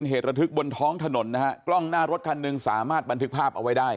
ระทึกบนท้องถนนนะฮะกล้องหน้ารถคันหนึ่งสามารถบันทึกภาพเอาไว้ได้